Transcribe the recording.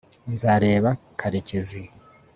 nzareba karekezi